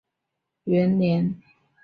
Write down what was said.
会稽人王仲舒撰于道光元年。